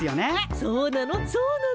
そうなの？